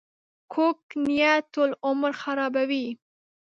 کوږ نیت ټول عمر خرابوي